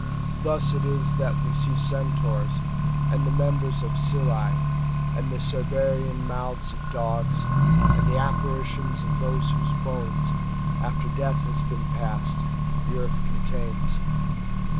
Thus it is that we see Centaurs, and the members of Scyllas, and the Cerberean mouths of dogs, and the apparitions of those whose bouQs, after death has been passed, the earth con tains.